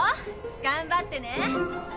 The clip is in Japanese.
頑張ってね。